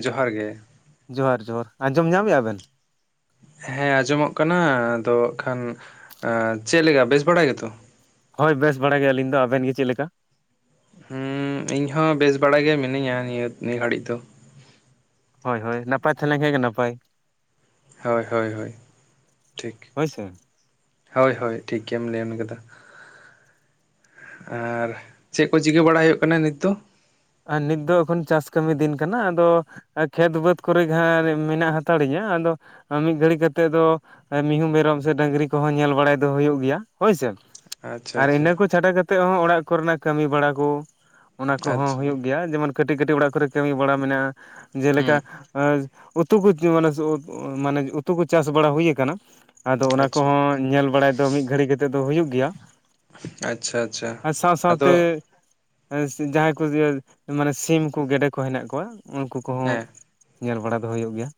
ᱡᱚᱦᱟᱨ ᱜᱮ ᱡᱚᱦᱟᱨ ᱡᱚᱦᱟᱨ ᱟᱸᱡᱚᱢ ᱧᱟᱢᱮᱫᱼᱟ ᱵᱮᱱ? ᱦᱮᱸ ᱟᱸᱡᱚᱢᱚᱜ ᱠᱟᱱᱟ ᱟᱫᱚ ᱠᱷᱟᱱ ᱪᱮᱫᱞᱮ ᱞᱮᱠᱟ ᱵᱮᱥ ᱵᱟᱲᱟᱭ ᱜᱮᱛᱚ? ᱦᱳᱭ ᱵᱮᱥ ᱵᱟᱲᱟ ᱜᱮ ᱟᱹᱞᱤᱧ ᱫᱚ ᱟᱵᱮᱱ ᱜᱮ ᱪᱮᱫ ᱞᱮᱠᱟ? ᱦᱩᱸ ᱤᱧ ᱦᱚᱸ ᱵᱮᱥ ᱵᱟᱲᱟ ᱜᱮ ᱢᱤᱱᱟᱹᱧᱟ ᱱᱤᱭᱟᱹ ᱱᱤᱭᱟᱹ ᱜᱷᱟᱹᱲᱤᱡ ᱫᱚ ᱾ ᱦᱳᱭ ᱦᱳᱭ ᱱᱟᱯᱟᱭ ᱛᱟᱦᱮᱸ ᱞᱮᱱ ᱠᱷᱟᱱ ᱜᱮ ᱱᱟᱯᱟᱭ ᱾ ᱦᱳᱭ ᱦᱳᱭ ᱦᱳᱭ ᱴᱷᱤᱠ ᱦᱳᱭ ᱥᱮ᱾ ᱦᱳᱭ ᱦᱳᱭ ᱴᱷᱤᱠ ᱜᱮᱢ ᱞᱟᱹᱭᱟᱢ ᱠᱟᱫᱟ ᱟᱨ ᱪᱮᱫ ᱠᱚ ᱪᱤᱠᱟᱹ ᱵᱟᱲᱟ ᱦᱩᱭᱩᱜ ᱠᱟᱱᱟ ᱱᱤᱛ? ᱟᱨ ᱱᱤᱛ ᱫᱚ ᱮᱠᱷᱚᱱ ᱪᱟᱥ ᱠᱟᱹᱢᱤ ᱫᱤᱱ ᱠᱟᱱᱟ ᱟᱫᱚ ᱟᱨ ᱠᱷᱮᱛ ᱵᱟᱹᱫᱽ ᱠᱚᱨᱮ ᱡᱟᱦᱟᱸ ᱢᱮᱱᱟᱜ ᱦᱟᱛᱟᱲᱜᱤᱭᱟᱹ ᱟᱫᱚ- ᱢᱤᱫ ᱜᱷᱟᱹᱲᱤ ᱠᱟᱛᱮᱫ ᱫᱚ ᱢᱤᱦᱩ ᱢᱮᱨᱚᱢ ᱥᱮ ᱰᱟᱹᱝᱨᱤ ᱠᱚᱦᱚᱸ ᱧᱮᱞ ᱵᱟᱲᱟᱭ ᱫᱚ ᱦᱩᱭᱩᱜ ᱜᱮᱭᱟ ᱦᱳᱭᱥᱮ ᱟᱪᱪᱷᱟ ᱟᱨ ᱟᱪᱪᱷᱟ ᱤᱱᱟᱹ ᱠᱚ ᱪᱷᱟᱰᱟ ᱠᱟᱛᱮ ᱦᱚᱸ ᱚᱲᱟᱜ ᱠᱚᱨᱮᱱᱟᱜ ᱠᱟᱹᱢᱤ ᱵᱟᱲᱟ ᱠᱚ ᱚᱱᱟ ᱠᱚᱦᱚᱸ ᱟᱪᱪᱷᱟ ᱭᱟ ᱡᱮᱢᱚᱱ ᱠᱟᱹᱴᱤᱡ ᱠᱟᱹᱴᱤᱡ ᱚᱲᱟᱜ ᱠᱚᱨᱮ ᱠᱟᱹᱢᱤ ᱵᱟᱲᱟ ᱢᱮᱱᱟᱜᱼᱟ ᱦᱩᱸ ᱡᱮᱞᱮᱠᱟ ᱩᱛᱩ ᱠᱚ ᱢᱟᱱᱮ ᱢᱟᱱᱮ ᱩᱛᱩ ᱠᱚ ᱪᱟᱥ ᱵᱟᱲᱟ ᱦᱩᱭ ᱠᱟᱱᱟ᱾ ᱟᱫᱚ ᱚᱱᱟ ᱟᱪᱪᱷᱟ ᱠᱚᱦᱚᱸ ᱧᱮᱞ ᱵᱟᱲᱟᱭ ᱫᱚ ᱢᱤᱫ ᱜᱷᱟᱹᱲᱤ ᱠᱟᱛᱮᱫ ᱫᱚ ᱦᱩᱭᱩᱜ ᱜᱮᱭᱟ᱾ ᱟᱪᱪᱷᱟ ᱟᱪᱪᱷᱟ ᱟᱨ ᱥᱟᱶ ᱟᱫᱚ ᱥᱟᱶᱛᱮ ᱡᱟᱦᱟᱸᱭ ᱠᱚ ᱢᱟᱱᱮ ᱥᱤᱢ ᱠᱚ ᱜᱮᱰᱮ ᱠᱚ ᱦᱮᱱᱟᱜ ᱠᱚᱣᱟ ᱩᱱᱠᱩ ᱠᱚᱦᱚᱸ ᱦᱮᱸ ᱧᱮᱞ ᱵᱟᱲᱟ ᱫᱚ ᱦᱩᱭᱩᱜ ᱜᱮᱭᱟ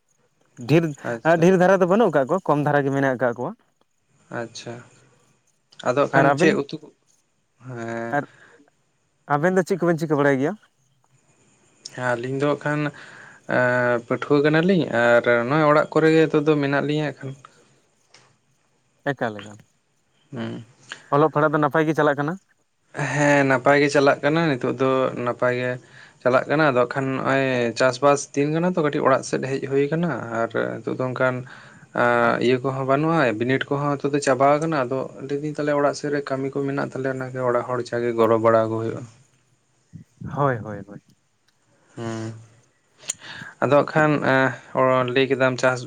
ᱰᱷᱮᱨ ᱟᱪᱪᱷᱟ ᱰᱷᱮᱨ ᱫᱷᱟᱨᱟ ᱫᱚ ᱵᱟᱹᱱᱩᱜ ᱟᱠᱟᱜ ᱠᱚᱣᱟ ᱠᱚᱢ ᱫᱷᱟᱨᱟ ᱜᱮ ᱢᱮᱱᱟᱜ ᱟᱠᱟᱫ ᱠᱚᱣᱟ᱾ ᱟᱪᱪᱷᱟ ᱟᱫᱚ ᱦᱟᱜ ᱟᱨ ᱠᱷᱟᱱ ᱪᱮᱫ ᱟᱵᱮᱱ ᱩᱛᱩ ᱦᱮᱸ ᱟᱨ ᱟᱵᱮᱱ ᱫᱚ ᱪᱮᱫ ᱠᱚᱵᱮᱱ ᱪᱤᱠᱟᱹ ᱵᱟᱲᱟᱭ ᱜᱮᱭᱟ? ᱟᱹᱞᱤᱧ ᱫᱚ ᱦᱟᱜ ᱠᱷᱟᱱ ᱯᱟᱹᱴᱷᱩᱣᱟᱹ ᱠᱟᱱᱟᱞᱤᱧ ᱟᱨ ᱱᱚᱣᱟ ᱚᱲᱟᱜ ᱠᱚᱨᱮ ᱜᱮ ᱱᱤᱛᱚᱜ ᱫᱚ ᱢᱮᱱᱟᱜ ᱞᱤᱧᱟᱹ ᱮᱱᱠᱷᱟᱱ᱾ ᱮᱠᱟᱞ ᱮᱠᱟᱞ ᱦᱮᱸ ᱚᱞᱚᱜ ᱯᱟᱲᱦᱟᱜ ᱫᱚ ᱱᱟᱯᱟᱭ ᱜᱮ ᱪᱟᱞᱟᱜ ᱠᱟᱱᱟ? ᱦᱮᱸ ᱱᱟᱯᱟᱭᱜᱮ ᱪᱟᱞᱟᱜ ᱠᱟᱱᱟ ᱱᱤᱛᱚᱜ ᱫᱚ ᱱᱟᱯᱟᱭᱜᱮ ᱪᱟᱞᱟᱜ ᱠᱟᱱᱟ ᱟᱫᱚᱜᱠᱷᱟᱱ ᱱᱚᱜ ᱚᱭ ᱪᱟᱥᱵᱟᱥ ᱫᱤᱱ ᱠᱟᱱᱟ ᱛᱚ ᱠᱟᱹᱴᱤᱡ ᱚᱲᱟᱜ ᱥᱮᱫ ᱦᱮᱡ ᱦᱩᱭ ᱟᱠᱟᱱᱟ ᱟᱨ ᱱᱤᱛᱚᱜ ᱱᱚᱝᱠᱟᱱ ᱤᱭᱟᱹ ᱠᱚᱦᱚᱸ ᱵᱟᱹᱱᱩᱜᱼᱟ ᱵᱤᱱᱤᱰ ᱠᱚᱦᱚᱸ ᱦᱚᱛᱚ ᱫᱚ ᱪᱟᱵᱟ ᱟᱠᱟᱱᱟ ᱟᱫᱚ ᱞᱟᱹᱭᱮᱫᱟᱹᱧ ᱛᱟᱞᱚᱞᱮ ᱚᱲᱟᱜ ᱥᱮᱫ ᱨᱮ ᱠᱟᱹᱢᱤ ᱠᱚ ᱢᱮᱱᱟᱜ ᱛᱟᱞᱮᱭᱟ ᱚᱱᱟ ᱚᱲᱟᱜ ᱦᱚᱲ ᱪᱟᱜᱮ ᱜᱚᱨᱚᱵ ᱵᱟᱲᱟ ᱟᱠᱚ ᱦᱩᱭᱩᱜᱼᱟ ᱦᱳᱭ ᱦᱳᱭ ᱦᱳᱭ ᱦᱮᱸ ᱟᱫᱚ ᱦᱟᱸ ᱠᱷᱟᱱ ᱮᱸ ᱚ ᱞᱟᱹᱭ ᱠᱮᱫᱟᱢ ᱪᱟᱥ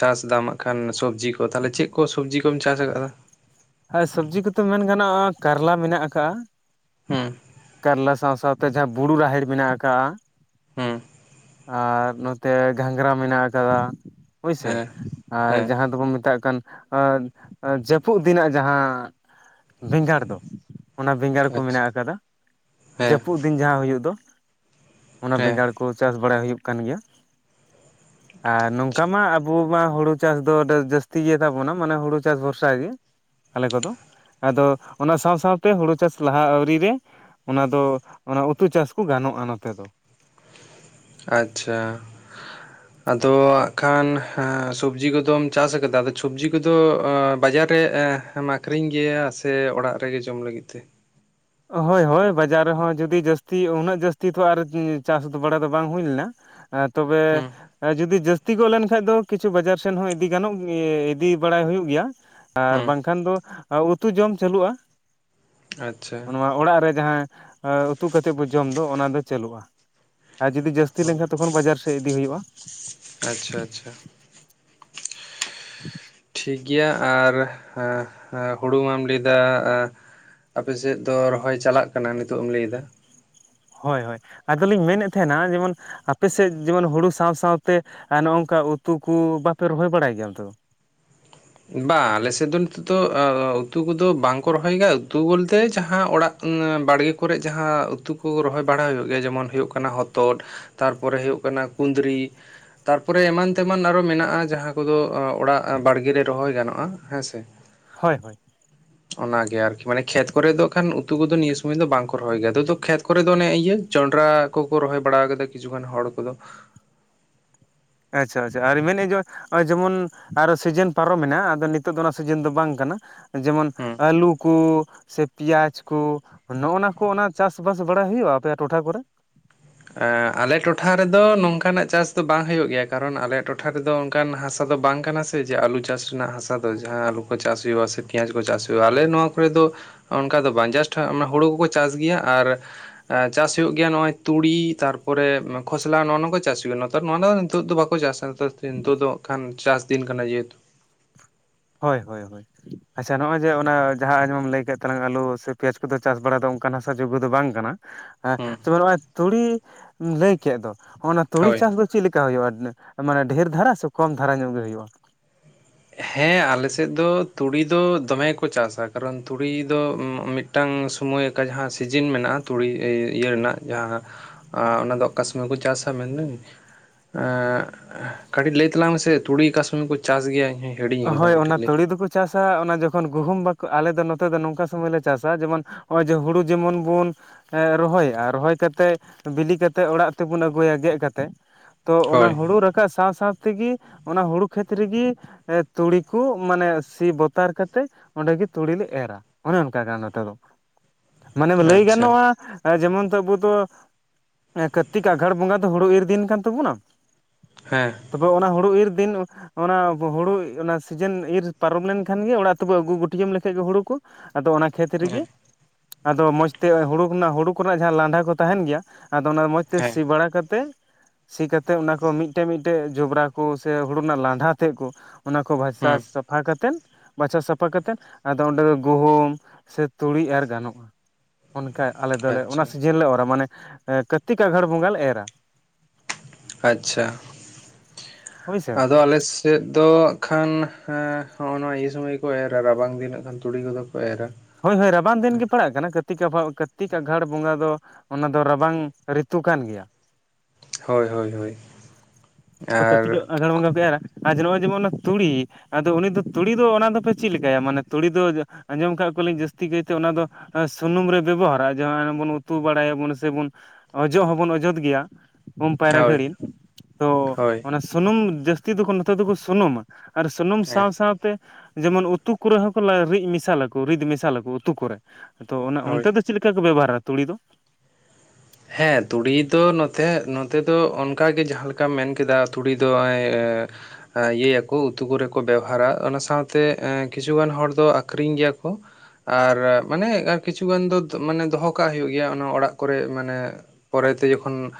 ᱪᱟᱥ ᱮ ᱫᱟᱢ ᱟᱜᱠᱷᱟᱱ ᱥᱚᱵᱽᱡᱤ ᱠᱚ ᱛᱟᱦᱚᱞᱮ ᱪᱮᱫ ᱠᱚ ᱥᱚᱵᱽᱡᱤ ᱠᱚᱢ ᱪᱟᱥ ᱟᱠᱟᱫᱟ? ᱦᱮᱸ ᱥᱚᱵᱽᱡᱤ ᱠᱚᱛᱮ ᱢᱮᱱ ᱜᱟᱱᱚᱜᱼᱟ ᱠᱟᱨᱞᱟ ᱢᱮᱱᱟᱜ ᱟᱠᱟᱜᱼᱟ᱾ ᱦᱮᱸ ᱠᱟᱨᱞᱟ ᱥᱟᱶ ᱥᱟᱶᱛᱮ ᱡᱟᱦᱟᱸ ᱵᱩᱨᱩ ᱨᱟᱦᱮᱲ ᱢᱮᱱᱟᱜ ᱟᱠᱟᱜᱼᱟ ᱦᱮᱸ ᱟᱨ ᱱᱚᱛᱮ ᱜᱷᱟᱸᱜᱨᱟ ᱢᱮᱱᱟᱜ ᱟᱠᱟᱫᱟ ᱦᱳᱭᱥᱮ ᱦᱮᱸ ᱟᱨ ᱦᱮᱸ ᱡᱟᱦᱟᱸ ᱫᱚᱵᱚᱱ ᱢᱮᱛᱟᱜ ᱠᱟᱱ ᱡᱟᱹᱯᱩᱫ ᱫᱤᱱᱟᱜ ᱡᱟᱦᱟᱸ ᱵᱮᱸᱜᱟᱲ ᱫᱚ᱾ ᱚᱱᱟ ᱵᱮᱸᱜᱟᱲ ᱠᱚ ᱟᱪᱪᱷᱟ ᱢᱮᱱᱟᱜ ᱟᱠᱟᱫᱟ ᱦᱮᱸ ᱡᱟᱹᱯᱩᱫ ᱫᱤᱱ ᱡᱟᱦᱟᱸ ᱦᱩᱭᱩᱜ ᱫᱚ ᱚᱱᱟ ᱦᱮᱸ ᱵᱮᱸᱜᱟᱲ ᱠᱚ ᱪᱟᱥ ᱵᱟᱲᱟ ᱦᱩᱭᱩᱜ ᱠᱟᱱ ᱜᱮᱭᱟ᱾ [inaudible] ᱟᱨ ᱱᱚᱝᱠᱟ ᱟᱪᱪᱷᱟ ᱢᱟ ᱟᱵᱚ ᱢᱟ ᱦᱩᱲᱩ ᱪᱟᱥ ᱫᱚ ᱡᱟᱹᱥᱛᱤ ᱜᱮᱛᱟᱵᱚᱱᱟ ᱢᱟᱱᱮ ᱦᱩᱲᱩ ᱪᱟᱥ ᱵᱷᱚᱨᱥᱟ ᱜᱮ᱾ ᱟᱞᱮ ᱠᱚᱫᱚ ᱟᱫᱚ ᱚᱱᱟ ᱥᱟᱶ ᱥᱟᱶᱛᱮ ᱦᱩᱲᱩ ᱪᱟᱥ ᱞᱟᱦᱟ ᱟᱣᱨᱤ ᱨᱮ᱾ ᱚᱱᱟ ᱫᱚ ᱚᱱᱟ ᱩᱛᱩ ᱪᱟᱥ ᱠᱚ ᱜᱟᱱᱚᱜᱼᱟ ᱱᱚᱛᱮ ᱫᱚ ᱟᱪᱪᱷᱟ [inaudible] ᱟᱫᱚ ᱦᱟᱜ ᱠᱷᱟᱱ ᱥᱚᱵᱡᱤ ᱠᱚᱫᱚᱢ ᱪᱟᱥ ᱟᱠᱟᱫᱟ ᱟᱫᱚ ᱥᱚᱵᱡᱤ ᱠᱚᱫᱚ ᱵᱟᱡᱟᱨ ᱨᱮ ᱦᱮᱸ ᱢᱟ ᱟᱹᱠᱷᱨᱤᱧ ᱜᱮᱭᱟ ᱥᱮ ᱚᱲᱟᱜ ᱨᱮᱜᱮ ᱡᱚᱢ ᱞᱟᱹᱜᱤᱫ ᱛᱮ? ᱦᱳᱭ ᱦᱳᱭ ᱵᱟᱡᱟᱨ ᱨᱮᱦᱚᱸ ᱡᱩᱫᱤ ᱡᱟᱹᱥᱛᱤ ᱩᱱᱟᱹᱜ ᱡᱟᱹᱥᱛᱤ ᱛᱚ ᱟᱨ ᱪᱟᱥ ᱵᱟᱲᱟ ᱫᱚ ᱵᱟᱝ ᱦᱩᱭ ᱞᱮᱱᱟ᱾ ᱦᱮᱸ ᱛᱚᱵᱮ ᱦᱩᱸ ᱡᱩᱫᱤ ᱡᱟᱹᱥᱛᱤ ᱜᱚᱫ ᱞᱮᱱᱠᱷᱟᱱᱡ ᱫᱚ ᱠᱤᱪᱷᱩ ᱵᱟᱡᱟᱨ ᱥᱮᱱ ᱦᱚᱸ ᱤᱫᱤ ᱜᱟᱱᱚᱜ ᱤᱫᱤ ᱵᱟᱲᱟᱭ ᱦᱩᱭᱩᱜ ᱜᱮᱭᱟ᱾ ᱟᱨ ᱦᱩᱸ ᱵᱟᱝᱠᱷᱟᱱ ᱫᱚ ᱩᱛᱩ ᱡᱚᱢ ᱪᱟᱹᱞᱩᱜᱼᱟ᱾ ᱟᱪᱪᱷᱟ ᱱᱚᱣᱟ ᱚᱲᱟᱜ ᱨᱮ ᱡᱟᱦᱟᱸ ᱩᱛᱩ ᱠᱟᱛᱮᱫ ᱡᱚᱢ ᱫᱚ ᱚᱱᱟ ᱫᱚ ᱪᱟᱹᱞᱩᱜᱼᱟ᱾ ᱟᱨ ᱡᱩᱫᱤ ᱡᱟᱹᱥᱛᱤ ᱦᱳᱭ ᱞᱮᱱᱠᱷᱟᱱ ᱛᱚᱠᱷᱚᱱ ᱵᱟᱡᱟᱨ ᱥᱮᱡ ᱤᱫᱤ ᱦᱩᱭᱩᱜᱼᱟ᱾ ᱟᱪᱪᱷᱟ ᱟᱪᱪᱷᱟ [inaudible] ᱴᱷᱤᱠ ᱜᱮᱭᱟ ᱟᱨ ᱦᱩᱲᱩ ᱢᱟᱢ ᱞᱟᱹᱭ ᱫᱟ ᱟᱯᱮᱥᱮᱫ ᱫᱚ ᱨᱚᱦᱚᱭ ᱪᱟᱞᱟᱜ ᱠᱟᱱᱟ ᱱᱤᱛᱚᱜ ᱮᱢ ᱞᱟᱹᱭ ᱫᱟ ᱦᱳᱭ ᱦᱳᱭ ᱟᱫᱚᱞᱤᱧ ᱢᱮᱱᱮᱫ ᱛᱟᱦᱮᱱᱟ ᱡᱮᱢᱚᱱ ᱟᱯᱮ ᱥᱮᱫ ᱡᱮᱢᱚᱱ ᱦᱩᱲᱩ ᱥᱟᱶ ᱥᱟᱶᱛᱮ ᱱᱚᱜ ᱱᱚᱝᱠᱟ ᱩᱛᱩ ᱠᱚ ᱵᱟᱯᱮ ᱨᱚᱦᱚᱭ ᱵᱟᱲᱟᱭ ᱜᱮᱭᱟ ᱟᱯᱮ ᱚᱱᱛᱮ ᱫᱚ ᱵᱟᱝ ᱟᱞᱮᱥᱮᱫ ᱫᱚ ᱱᱤᱛᱚᱜ ᱫᱚ ᱩᱛᱩ ᱠᱚᱫᱚ ᱵᱟᱝᱠᱚ ᱨᱚᱦᱚᱭ ᱜᱮᱭᱟ ᱩᱛᱩ ᱵᱚᱞᱛᱮ ᱡᱟᱦᱟᱸ ᱚᱲᱟᱜ ᱵᱟᱲᱜᱮ ᱠᱚᱨᱮ ᱡᱟᱦᱟᱸ ᱩᱛᱩ ᱠᱚ ᱨᱚᱦᱚᱭ ᱵᱟᱲᱟ ᱦᱩᱭᱩᱜ ᱜᱮᱭᱟ, ᱡᱮᱢᱚᱱ ᱦᱩᱭᱩᱜ ᱠᱟᱱᱟ ᱦᱚᱛᱚᱫ ᱛᱟᱨᱯᱚᱨᱮ ᱦᱩᱭᱩᱜ ᱠᱟᱱᱟ ᱠᱩᱸᱫᱽᱨᱤ ᱛᱟᱨᱯᱚᱨᱮ ᱮᱢᱟᱱ ᱛᱮᱢᱟᱱ ᱟᱨᱚ ᱢᱮᱱᱟᱜᱼᱟ ᱡᱟᱦᱟᱸ ᱠᱚᱫᱚ ᱚᱲᱟᱜ ᱵᱟᱲᱜᱮ ᱨᱮ ᱨᱚᱦᱚᱭ ᱜᱟᱱᱚᱜᱼᱟ᱾ ᱦᱮᱸ ᱥᱮ ᱦᱳᱭ ᱦᱳᱭ ᱚᱱᱟᱜᱮ ᱟᱨᱠᱤ ᱢᱟᱱᱮ ᱠᱷᱮᱛ ᱠᱚᱨᱮ ᱫᱚ ᱠᱷᱟᱱ ᱩᱛᱩ ᱠᱚᱫᱚ ᱱᱤᱭᱟᱹ ᱥᱚᱢᱚᱭ ᱫᱚ ᱵᱟᱝᱠᱚ ᱨᱚᱦᱚᱭ ᱜᱮᱭᱟ, ᱠᱷᱮᱛ ᱠᱚᱨᱮ ᱫᱚ ᱚᱱᱮ ᱤᱭᱟᱹ ᱡᱚᱸᱰᱨᱟ ᱠᱚᱠᱚ ᱨᱚᱦᱚᱭ ᱵᱟᱲᱟ ᱠᱟᱫᱟ ᱠᱤᱪᱷᱩᱜᱟᱱ ᱦᱚᱲ ᱠᱚᱫᱚ ᱟᱪᱪᱷᱟ ᱟᱪᱪᱷᱟ ᱟᱨ ᱢᱮᱱᱮᱫᱼᱟ ᱡᱮ ᱚᱜ-ᱚᱭ ᱡᱮᱢᱚᱱ ᱟᱨᱚ ᱥᱤᱡᱤᱱ ᱯᱟᱨᱚᱢᱮᱱᱟ ᱟᱫᱚ ᱱᱤᱛᱚᱜ ᱫᱚ ᱚᱱᱟ ᱥᱤᱡᱤᱱ ᱫᱚ ᱵᱟᱝ ᱠᱟᱱᱟ᱾ ᱡᱮᱢᱚᱱ ᱦᱩᱸ ᱟᱹᱞᱩ ᱠᱚ ᱥᱮ ᱯᱮᱸᱭᱟᱡᱽ ᱠᱚ ᱱᱚᱜᱱᱟ ᱠᱚ ᱚᱱᱟ ᱪᱟᱥ ᱵᱟᱥ ᱵᱟᱲᱟᱭ ᱦᱩᱭᱩᱜᱼᱟ ᱟᱯᱮᱭᱟᱜ ᱴᱚᱴᱷᱟ ᱠᱚᱨᱮ? ᱟᱞᱮ ᱴᱚᱴᱷᱟ ᱨᱮᱫᱚ ᱱᱚᱝᱠᱟᱱᱟᱜ ᱪᱟᱥ ᱫᱚ ᱵᱟᱝ ᱦᱩᱭᱩᱜ ᱜᱮᱭᱟ, ᱠᱟᱨᱚᱱ ᱟᱞᱮᱭᱟᱜ ᱴᱚᱴᱷᱟ ᱨᱮᱫᱚ ᱚᱱᱠᱟᱱ ᱦᱟᱥᱟ ᱫᱚ ᱵᱟᱝ ᱠᱟᱱᱟ ᱥᱮ ᱡᱮ ᱟᱞᱩ ᱪᱟᱥ ᱨᱮᱱᱟᱜ ᱦᱟᱥᱟ ᱫᱚ ᱡᱟᱦᱟᱸ ᱟᱹᱞᱩ ᱠᱚ ᱪᱟᱥ ᱦᱩᱭᱩᱜᱼᱟ ᱥᱮ ᱯᱮᱸᱭᱟᱡᱽ ᱠᱚ ᱪᱟᱥ ᱦᱩᱭᱩᱜᱼᱟ ᱟᱹᱞᱮ ᱱᱚᱣᱟ ᱠᱚᱨᱮ ᱫᱚ ᱚᱱᱠᱟ ᱫᱚ ᱵᱟᱝ ᱡᱟᱥᱴ ᱦᱩᱲᱩ ᱠᱚᱠᱚ ᱪᱟᱥ ᱜᱮᱭᱟ ᱟᱨ ᱪᱟᱥ ᱦᱩᱭᱩᱜ ᱜᱮᱭᱟ ᱱᱚᱜᱼᱚᱭ ᱛᱩᱲᱤ ᱛᱟᱨᱯᱚᱨᱮ ᱠᱷᱚᱥᱞᱟ ᱱᱚᱜ ᱱᱚᱣᱟ ᱠᱚ ᱪᱟᱥ ᱦᱩᱭᱩᱜᱼᱟ᱾ ᱱᱮᱛᱟᱨ ᱱᱚᱣᱟ ᱫᱚ ᱱᱤᱛᱚᱜ ᱫᱚ ᱵᱟᱠᱚ ᱪᱟᱥᱟ ᱱᱤᱛᱚᱜ ᱫᱚ ᱦᱟᱸᱜ ᱠᱷᱟᱱ ᱪᱟᱥᱫᱤᱱ ᱠᱟᱱᱟ ᱡᱮᱦᱮᱛᱩ ᱦᱳᱭ ᱦᱳᱭ ᱦᱳᱭ ᱟᱪᱪᱷᱟ ᱱᱚᱜᱼᱚᱭ ᱡᱮ ᱚᱱᱟ ᱡᱟᱦᱟᱸ ᱟᱸᱡᱚᱢᱟᱢ ᱞᱟᱹᱭ ᱠᱮᱫ ᱛᱟᱞᱟᱝ ᱟᱹᱞᱩ ᱥᱮ ᱯᱮᱸᱭᱟᱡᱽ ᱠᱚᱫᱚ ᱪᱟᱥ ᱵᱟᱲᱟ ᱫᱚ ᱚᱱᱠᱟᱱ ᱦᱟᱥᱟ ᱡᱳᱜᱜᱚ ᱫᱚ ᱵᱟᱝ ᱠᱟᱱᱟ᱾ ᱦᱮᱸ ᱦᱩᱸ ᱛᱚᱵᱮ ᱱᱚᱜᱼᱚᱭ ᱛᱩᱲᱤ ᱞᱟᱹᱭ ᱠᱮᱫ ᱫᱚ ᱚᱱᱟ ᱛᱩᱲᱤ ᱦᱳᱭ ᱪᱟᱥ ᱫᱚ ᱪᱮᱫ ᱞᱮᱠᱟ ᱦᱩᱭᱩᱜᱼᱟ? ᱢᱟᱱᱮ ᱰᱷᱮᱨ ᱫᱷᱟᱨᱟ ᱥᱮ ᱠᱚᱢ ᱫᱷᱟᱨᱟ ᱧᱚᱜ ᱜᱮ ᱦᱩᱭᱩᱜᱼᱟ᱾ ᱦᱮᱸ ᱟᱞᱮᱥᱮᱫ ᱫᱚ ᱛᱩᱲᱤ ᱫᱚ ᱫᱚᱢᱮ ᱠᱚ ᱪᱟᱥᱟ ᱠᱟᱨᱚᱱ ᱛᱩᱲᱤ ᱫᱚ ᱢᱤᱫ ᱢᱤᱫᱴᱟᱝ ᱥᱚᱢᱚᱭ ᱟᱠᱟ ᱡᱟᱦᱟᱸ ᱥᱤᱡᱤᱱ ᱢᱮᱱᱟᱜᱼᱟ, ᱛᱩᱲᱤ ᱤᱭᱟᱹ ᱨᱮᱱᱟᱜ ᱡᱟᱦᱟᱸ ᱟᱨ ᱚᱱᱟᱫᱚ ᱚᱠᱟ ᱥᱚᱢᱚᱭ ᱠᱚ ᱪᱟᱥᱟ ᱢᱮᱱᱫᱟᱹᱧ ᱠᱟᱹᱴᱤᱡ ᱞᱟᱹᱭ ᱛᱟᱞᱟᱝ ᱢᱮᱥᱮ ᱛᱩᱲᱤ ᱚᱠᱟ ᱥᱚᱢᱚᱭ ᱠᱚ ᱪᱟᱥ ᱜᱮᱭᱟ? ᱤᱧ ᱦᱚᱧ ᱦᱤᱲᱤᱧ ᱟᱠᱟᱫᱟ ᱦᱳᱭ ᱚᱱᱟ ᱠᱟᱹᱴᱤᱡ ᱞᱟᱹᱭ ᱛᱩᱲᱤ ᱫᱚᱠᱚ ᱪᱟᱥᱟ ᱚᱱᱟ ᱡᱚᱠᱷᱚᱱ ᱜᱩᱦᱩᱢ ᱵᱟᱠᱚ ᱟᱞᱮᱫᱚ ᱱᱚᱛᱮ ᱫᱚ ᱱᱚᱝᱠᱟ ᱥᱚᱢᱚᱭᱞᱮ ᱪᱟᱥᱟ ᱡᱮᱢᱚᱱ ᱱᱚᱜᱼᱚᱭ ᱡᱮ ᱦᱩᱲᱩ ᱡᱮᱢᱚᱱ ᱵᱚᱱ ᱨᱚᱦᱚᱭᱟ ᱨᱚᱦᱚᱭ ᱠᱟᱛᱮᱫ ᱵᱤᱞᱤ ᱠᱟᱛᱮᱫ ᱚᱲᱟᱜ ᱛᱮᱵᱚᱱ ᱟᱹᱜᱩᱭᱟ ᱜᱮᱫ ᱠᱟᱛᱮᱫ ᱛᱚ ᱚᱱᱟ ᱦᱳᱭ ᱦᱩᱲᱩ ᱨᱟᱠᱟᱵ ᱥᱟᱶ ᱥᱟᱶ ᱛᱮᱜᱮ ᱚᱱᱟ ᱦᱩᱲᱩ ᱠᱷᱮᱛ ᱨᱮᱜᱮ ᱛᱩᱲᱤ ᱠᱚ ᱢᱟᱱᱮ ᱥᱤ ᱵᱚᱛᱟᱨ ᱠᱟᱛᱮᱜ ᱚᱸᱰᱮ ᱜᱮ ᱛᱩᱲᱤ ᱞᱮ ᱮᱨᱟ᱾ ᱚᱱᱮ ᱚᱱᱠᱟ ᱠᱟᱱᱟ ᱱᱚᱛᱮ ᱫᱚ ᱢᱟᱱᱮ ᱞᱟᱹᱭ ᱟᱪᱪᱷᱟ ᱜᱟᱱᱚᱜᱼᱟ ᱡᱮᱢᱚᱱ ᱛᱚ ᱟᱵᱩ ᱫᱚ ᱠᱟᱨᱛᱤᱠ ᱟᱸᱜᱷᱟᱲ ᱵᱚᱸᱜᱟ ᱫᱚ ᱦᱩᱲᱩ ᱤᱨ ᱫᱤᱱ ᱠᱟᱱ ᱛᱟᱵᱚᱱᱟ ᱦᱮᱸ ᱛᱟᱯᱚᱨ ᱚᱱᱟ ᱦᱩᱲᱩ ᱤᱨ ᱫᱤᱱ ᱚᱱᱟ ᱦᱩᱲᱩ ᱚᱱᱟ ᱥᱤᱡᱤᱱ ᱤᱨ ᱯᱟᱨᱚᱢ ᱞᱮᱱᱠᱷᱟᱱ ᱜᱮ ᱚᱲᱟᱜ ᱛᱮᱵᱚ ᱟᱹᱜᱩ ᱜᱩᱴᱟᱢ ᱞᱮᱠᱷᱟᱡ ᱜᱮ ᱦᱩᱲᱩ ᱠᱚ᱾ ᱟᱫᱚ ᱚᱱᱟ ᱠᱷᱮᱛ ᱨᱮᱜᱮ ᱦᱮᱸ ᱟᱫᱚ ᱢᱚᱡᱽ ᱛᱮ ᱦᱩᱲᱩ ᱨᱮᱱᱟᱜ ᱦᱩᱲᱩ ᱠᱚᱨᱮᱱᱟᱜ ᱡᱟᱦᱟᱸ ᱞᱟᱸᱰᱟ ᱠᱚ ᱛᱟᱦᱮᱱ ᱜᱮᱭᱟ ᱟᱫᱚ ᱚᱱᱟ ᱢᱚᱡᱽ ᱛᱮ ᱦᱮᱸ ᱥᱤ ᱵᱟᱲᱟ ᱠᱟᱛᱮᱫ ᱥᱤ ᱠᱟᱛᱮᱫ ᱚᱱᱟ ᱠᱚ ᱢᱤᱫᱴᱮᱡ ᱢᱤᱫᱴᱮᱡ ᱡᱚᱵᱽᱨᱟ ᱠᱚ ᱥᱮ ᱦᱩᱲᱩ ᱨᱮᱱᱟᱜ ᱞᱟᱸᱰᱷᱟᱹ ᱛᱮᱜ ᱠᱚ ᱚᱱᱟ ᱠᱚ ᱵᱷᱟᱥᱟ ᱦᱩᱸ ᱥᱟᱯᱷᱟ ᱠᱟᱛᱮᱫ, ᱵᱟᱪᱷᱟ ᱥᱟᱯᱷᱟ ᱠᱟᱛᱮᱫ ᱟᱫᱚ ᱚᱸᱰᱮ ᱫᱚ ᱜᱩᱦᱩᱢ ᱥᱮ ᱛᱩᱲᱤ ᱮᱨ ᱜᱟᱱᱚᱜᱼᱟ᱾ ᱚᱱᱠᱟ ᱟᱞᱮ ᱫᱚᱞᱮ ᱚᱱᱟ ᱟᱪᱪᱷᱟ ᱥᱤᱡᱤᱱ ᱞᱮ ᱚᱨᱟ ᱢᱟᱱᱮ ᱠᱟᱨᱛᱤᱠ ᱟᱜᱷᱟᱲ ᱵᱚᱸᱜᱟ ᱞᱮ ᱮᱨᱟ᱾ ᱟᱪᱪᱷᱟ ᱦᱳᱭᱥᱮ ᱟᱫᱚ ᱟᱞᱮ ᱪᱮᱫ ᱫᱚ ᱠᱷᱟᱱ ᱦᱚᱜᱼᱚ ᱱᱚᱣ ᱤᱭᱟᱹ ᱥᱳᱢᱚᱭ ᱜᱮ ᱠᱚ ᱮᱨᱟ ᱨᱟᱵᱟᱝ ᱫᱤᱱᱚᱜ ᱠᱟᱱᱟ ᱫᱤᱱ ᱛᱩᱲᱤ ᱠᱚᱫᱚ ᱠᱚ ᱮᱨᱟ ᱾ ᱦᱳᱭ ᱦᱳᱭ ᱨᱟᱵᱟᱝ ᱫᱤᱱ ᱜᱮ ᱯᱟᱲᱟᱜ ᱠᱟᱱᱟ ᱠᱟᱹᱨᱛᱤᱠ ᱟᱵᱷᱚ ᱠᱟᱹᱨᱛᱤᱠ ᱟᱜᱷᱟᱲ ᱵᱚᱸᱜᱟ ᱫᱚ ᱾ ᱚᱱᱟ ᱫᱚ ᱨᱟᱵᱟᱝ ᱨᱤᱛᱩ ᱠᱟᱱ ᱜᱮᱭᱟ ᱾ ᱦᱳᱭ ᱦᱳᱭ ᱦᱳᱭ ᱾ ᱛᱚ ᱠᱟᱹᱨᱛᱤᱠ ᱟ ᱟᱸᱜᱷᱟᱲ ᱵᱚᱸᱜᱟ ᱯᱮ ᱮᱨᱟ ᱱᱚᱜᱼᱚᱭ ᱡᱮᱢᱚᱱ ᱚᱱᱟ ᱛᱩᱲᱤ ᱟᱫᱚ ᱩᱱᱤ ᱫᱚ ᱛᱩᱲᱤ ᱫᱚ ᱚᱱᱟ ᱫᱚᱯᱮ ᱪᱤᱫ ᱞᱤᱠᱟᱭᱟ ᱢᱟᱱᱮ ᱛᱩᱲᱤ ᱫᱚ ᱟᱸᱡᱚᱢ ᱠᱟᱜ ᱠᱚᱣᱟᱞᱤᱧ ᱡᱟᱹᱥᱛᱤ ᱠᱟᱹᱭᱛᱮ ᱚᱱᱟ ᱫᱚ ᱥᱩᱱᱩᱢ ᱨᱮ ᱵᱮᱵᱚᱦᱟᱨᱟ ᱡᱟᱦᱟᱸ ᱚᱱᱮ ᱵᱚᱱ ᱩᱛᱩ ᱵᱟᱲᱟᱭᱟᱵᱚᱱ ᱥᱮ ᱵᱚᱱ ᱚᱡᱚᱜ ᱦᱚᱸᱵᱚᱱ ᱚᱡᱚᱫ ᱜᱮᱭᱟ ᱾ ᱩᱢ ᱯᱟᱭᱨᱟ ᱦᱳᱭ ᱜᱷᱟᱹᱲᱤᱱ ᱛᱚ ᱦᱳᱭ ᱚᱱᱟ ᱥᱩᱱᱩᱢ ᱡᱟᱹᱥᱛᱤ ᱫᱚᱠᱚ ᱱᱚᱛᱮ ᱫᱚᱠᱚ ᱥᱩᱱᱩᱢᱟ ᱾ ᱟᱨ ᱥᱩᱱᱩᱢ ᱦᱮᱸ ᱥᱟᱶ ᱥᱟᱶᱛᱮ ᱡᱮᱢᱚᱱ ᱩ ᱛᱩ ᱠᱚᱨᱮᱜ ᱦᱚᱸ ᱠᱚ ᱞᱟ ᱨᱤᱜ ᱢᱮᱥᱟᱞᱟᱠᱚ ᱨᱤᱫ ᱢᱮᱥᱟᱞᱟᱠᱚ ᱩᱛᱩ ᱠᱚᱨᱮᱜ ᱾ ᱟᱫᱚ ᱚᱱᱮ ᱚᱱᱛᱮ ᱦᱳᱭ ᱫᱚ ᱪᱤᱫ ᱞᱮᱠᱟ ᱠᱚ ᱵᱮᱵᱚᱦᱟᱨᱟ ᱛᱩᱲᱤ ᱫᱚ? ᱦᱮᱸ ᱛᱩᱲᱤ ᱫᱚ ᱱᱚᱛᱮ ᱱᱚᱛᱮ ᱫᱚ ᱚᱱᱠᱟᱜᱮ ᱡᱟᱦᱟᱸ ᱞᱮᱠᱟᱢ ᱢᱮᱱ ᱠᱮᱫᱟ ᱛᱩᱲᱤ ᱫᱚ ᱮᱭ ᱮᱸ ᱤᱭᱟᱹᱭᱟᱠᱚ ᱩᱛᱩ ᱠᱚᱨᱮ ᱠᱚ ᱵᱮᱣᱦᱟᱨᱟ ᱚᱱᱟ ᱥᱟᱶᱛᱮ ᱠᱤᱪᱷᱩ ᱜᱟᱱ ᱦᱚᱲ ᱫᱚ ᱟᱹᱠᱷᱨᱤᱧ ᱜᱮᱭᱟ ᱠᱚ ᱾ ᱟᱨ ᱢᱟᱱᱮ ᱠᱤᱪᱷᱩ ᱜᱟᱱ ᱫᱚ ᱢᱟᱱᱮ ᱫᱚᱦᱚ ᱠᱟᱜ ᱦᱩᱭᱩᱜ ᱜᱮᱭᱟ ᱚᱱᱟ ᱚᱲᱟᱜ ᱠᱚᱨᱮ ᱚᱱᱮ ᱯᱚᱨᱮᱛᱮ ᱡᱚᱠᱷᱚᱱ